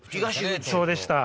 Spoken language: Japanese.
そうでした。